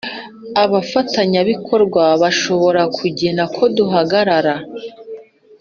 abafatanyabikorwa bashobora kugena ko duhagarara